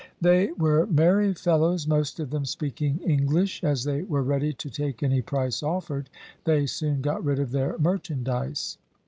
They were merry fellows, most of them speaking English; as they were ready to take any price offered, they soon got rid of their merchandise.